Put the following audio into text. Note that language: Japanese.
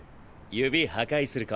指破壊する子。